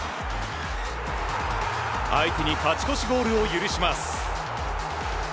相手に勝ち越しゴールを許します。